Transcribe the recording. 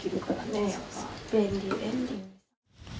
便利便利。